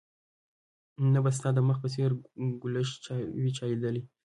نه به ستا د مخ په څېر ګلش وي چا ليدلى